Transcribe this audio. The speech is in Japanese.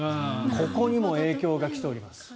ここにも影響が来ております。